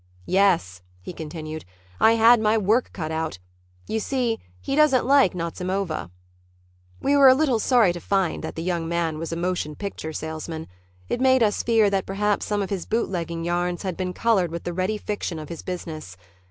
"Yes," he continued. "I had my work cut out. You see he doesn't like Nazimova." We were a little sorry to find that the young man was a motion picture salesman. It made us fear that perhaps some of his bootlegging yarns had been colored with the ready fiction of his business.